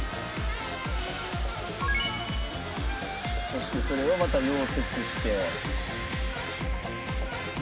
そしてそれをまた溶接して。